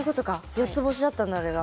４つ星だったんだあれが。